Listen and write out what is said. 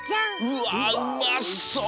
うわうまそう！